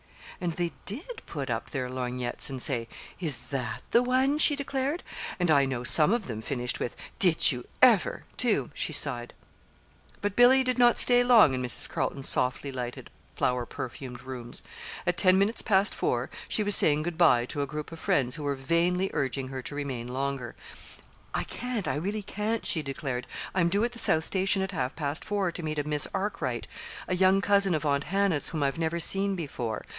"And they did put up their lorgnettes and say, 'Is that the one?'" she declared; "and I know some of them finished with 'Did you ever?' too," she sighed. But Billy did not stay long in Mrs. Carleton's softly lighted, flower perfumed rooms. At ten minutes past four she was saying good by to a group of friends who were vainly urging her to remain longer. "I can't I really can't," she declared. "I'm due at the South Station at half past four to meet a Miss Arkwright, a young cousin of Aunt Hannah's, whom I've never seen before.